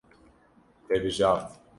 Te bijart.